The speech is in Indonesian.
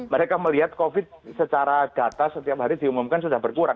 mereka melihat covid secara data setiap hari diumumkan sudah berkurang